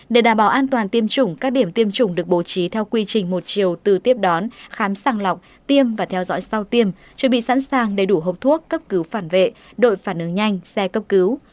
để đảm bảo an toàn tiêm chủng các điểm tiêm chủng được bố trí theo quy trình một chiều từ tiếp đón khám sàng lọc tiêm và theo dõi sau tiêm chuẩn bị sẵn sàng đầy đủ hộp thuốc cấp cứu phản vệ đội phản ứng nhanh xe cấp cứu